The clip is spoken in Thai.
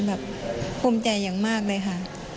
ภูมิใจอย่างมากเลยค่ะ